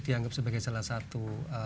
dianggap sebagai salah satu